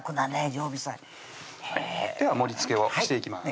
常備菜へぇでは盛りつけをしていきます